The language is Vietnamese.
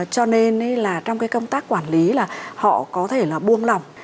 cho nên là trong cái công tác quản lý là họ có thể là buông lỏng